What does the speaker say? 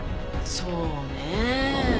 そうねえ。